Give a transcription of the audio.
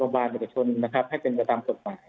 โรงพยาบาลประชุมนะครับให้เป็นกับตามส่วนใหม่นะครับ